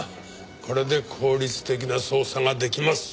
これで効率的な捜査ができます。